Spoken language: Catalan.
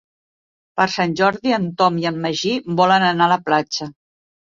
Per Sant Jordi en Tom i en Magí volen anar a la platja.